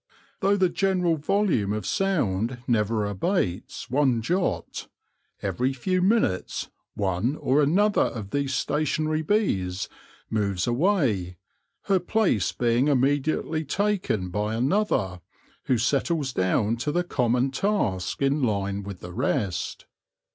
Though the general volume of sound never abates one jot, every few minutes one or another of these station ary bees moves away, her place being immediately taken by another, who settles down to the common task in line with the rest.